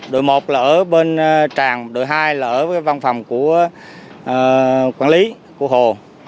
đội một là ở bên tràng đội hai là ở với văn phòng của quản lý của hồ